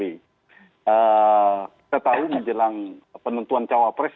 kita tahu di jelang penentuan cawa press